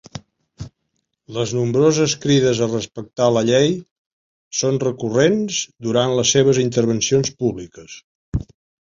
Les nombroses crides a respectar la llei són recurrents durant les seves intervencions públiques.